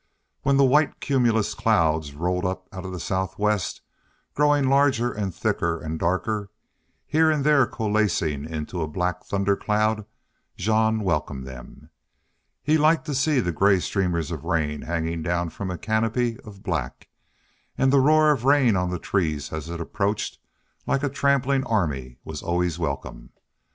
When the white cumulus clouds rolled up out of the southwest, growing larger and thicker and darker, here and there coalescing into a black thundercloud, Jean welcomed them. He liked to see the gray streamers of rain hanging down from a canopy of black, and the roar of rain on the trees as it approached like a trampling army was always welcome.